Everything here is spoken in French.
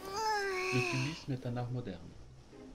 Le cubisme est un art moderne.